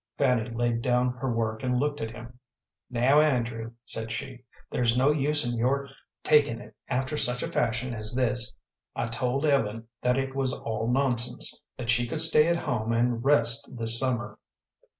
Fanny laid down her work and looked at him. "Now, Andrew," said she, "there's no use in your taking it after such a fashion as this. I told Ellen that it was all nonsense that she could stay at home and rest this summer."